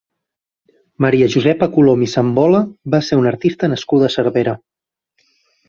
Maria Josepa Colom i Sambola va ser una artista nascuda a Cervera.